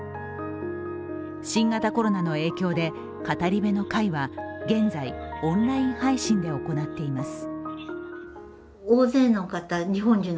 新型コロナの影響で、語り部の会は現在オンライン配信で行っています。